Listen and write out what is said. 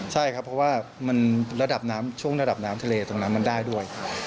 ใช่ครับเพราะว่าระดับน้ำช่วงระดับน้ำทะเลตรงนั้นมันได้ด้วย